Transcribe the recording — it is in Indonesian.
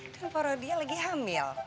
dan pak rodia lagi hamil